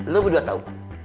lo berdua tau